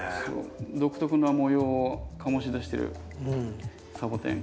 独特な模様を醸し出してるサボテン。